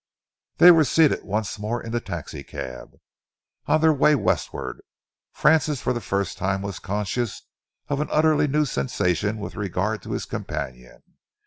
They were seated once more in the taxicab, on their way westward. Francis for the first time was conscious of an utterly new sensation with regard to his companion.